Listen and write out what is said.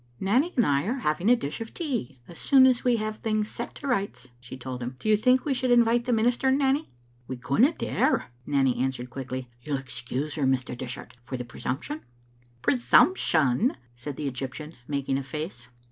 Nanny and I are to have a dish of tea, as soon as we have set things to rights, *' she told him. '' Do you think we should invite the minister, Nanny?" "We couldna dare," Nanny answered quickly. '* You'll excuse her, Mr. Dishart, for the presumption?" " Presumption !" said the Egyptian, making a face.